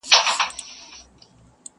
چي قاضي ته چا ورکړئ دا فرمان دی.